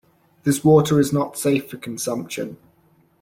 This water is not safe for consumption.